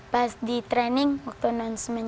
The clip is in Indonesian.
pas di training waktu non summennya